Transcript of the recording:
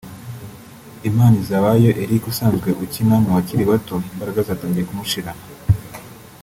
Imanizabayo Eric usanzwe ukina mu bakir bato imbaraga zatangiye kumushirana